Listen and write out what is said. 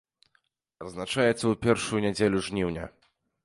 Адзначаецца ў першую нядзелю жніўня.